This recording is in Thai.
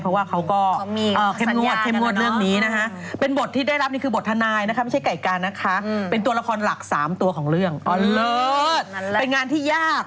เพราะว่าเขาก็เค็มงวด